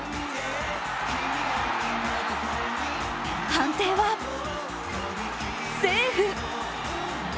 判定はセーフ。